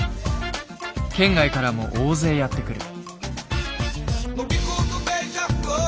県外からも大勢やって来る。